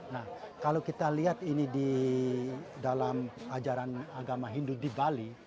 nah kalau kita lihat ini di dalam ajaran agama hindu di bali